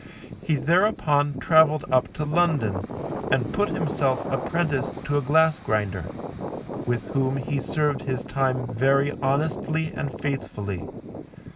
He thereupon traveled up to London, and put himself apprentice to a glass grinder, with whom he served his time very honestly and faithfully.